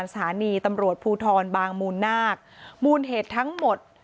สถานีตำรวจภูทรบางมูลนาคมูลเหตุทั้งหมด